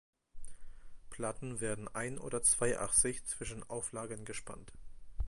Platten werden ein- oder zweiachsig zwischen Auflagern gespannt.